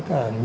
đúng không ạ